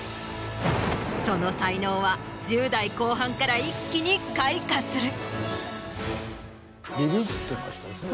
その才能は１０代後半から一気に開花する。